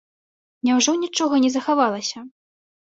Няўжо нічога не захавалася?